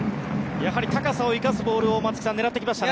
やはり高さを生かすボールを狙ってきましたね。